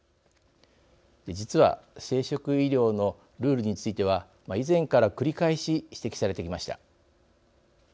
実は生殖医療のルールについては以前から繰り返し指摘されてきました。